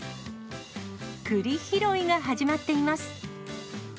くり拾いが始まっています。